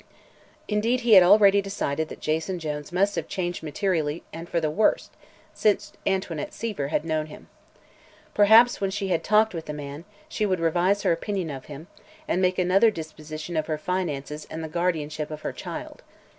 Indeed, he had already decided that Jason Jones must have changed materially, and for the worse, since Antoinette Seaver had known him. Perhaps, when she had talked with the man, she would revise her opinion of him and make other disposition of her finances and the guardianship of her child.